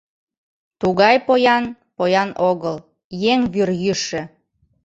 Тугай поян — поян огыл, еҥ вӱр йӱшӧ.